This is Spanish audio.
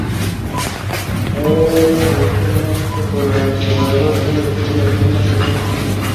Si se rescinde por el asegurador debe restituir las primas no consumidas.